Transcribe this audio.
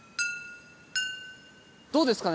どうですかね？